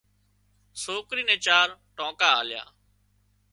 سوڪري نين چار ٽانڪا آليا